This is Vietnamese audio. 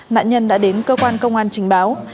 nạn nhân đã đến cơ quan công an trình báo